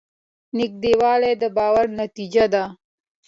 نږدېوالی د باور نتیجه ده.